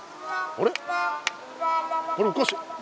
あれおかしい。